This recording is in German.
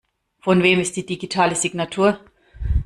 Von wem ist die digitale Signatur?